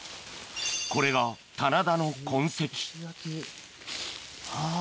これが棚田の痕跡あぁ。